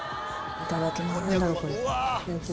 いただきます。